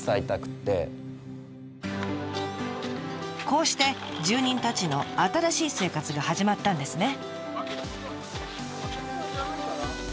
こうして住人たちの新しい生活が始まったんですね。